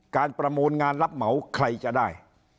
การประโมนงานรับเหมาใครจะได้